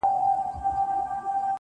پښه د هغې ده او پر مځکه باندي پل زه یم,